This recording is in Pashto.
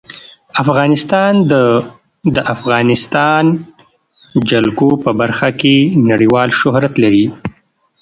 افغانستان د د افغانستان جلکو په برخه کې نړیوال شهرت لري.